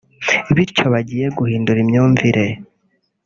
bityo bagiye guhindura imyumvire